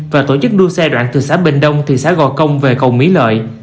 và tổ chức đua xe đoạn từ xã bình đông thị xã gò công về cầu mỹ lợi